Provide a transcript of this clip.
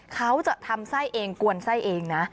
เขาจะทำไส้เองกวนไส้เองนะ